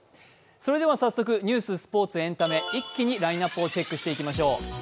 それでは早速、ニュース、スポーツ、エンタメ、一気にラインナップをチェックしていきましょう。